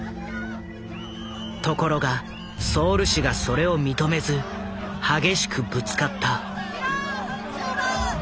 ところがソウル市がそれを認めず激しくぶつかった。